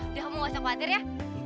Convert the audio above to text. udah kamu gak usah khawatir ya